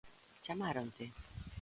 Chamáronte?